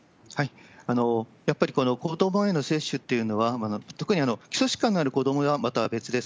やっぱりこの子どもへの接種っていうのは、特に基礎疾患がある子どもはまた別です。